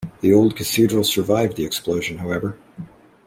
The old cathedral survived the explosion, however.